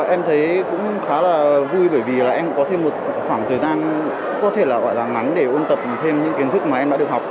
em thấy cũng khá là vui bởi vì là em cũng có thêm một khoảng thời gian có thể là gọi là ngắn để ôn tập thêm những kiến thức mà em đã được học